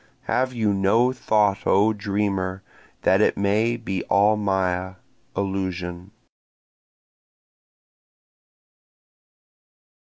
Have you no thought O dreamer that it may be all maya, illusion?